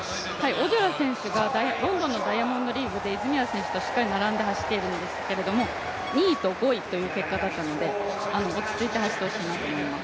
オジョラ選手がロンドンのダイヤモンドリーグで泉谷選手としっかり並んで走ってるんですけれども２位と５位という結果だったので、落ち着いて走ってほしいなと思っています。